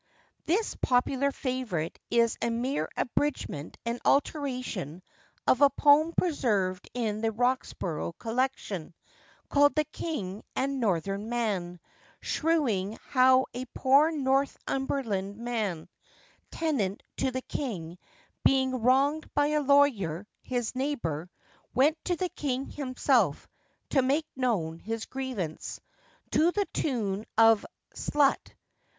[THIS popular favourite is a mere abridgment and alteration of a poem preserved in the Roxburgh Collection, called The King and Northern Man, shewing how a poor Northumberland man (tenant to the King) being wronged by a lawyer (his neighbour) went to the King himself to make known his grievance. _To the tune of __Slut_.